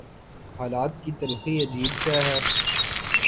حالات کی تلخی عجیب شے ہے۔